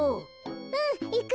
うんいく。